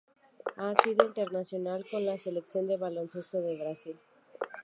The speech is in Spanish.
Ha sido internacional con la Selección de baloncesto de Brasil.